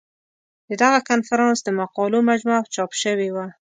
د دغه کنفرانس د مقالو مجموعه چاپ شوې وه.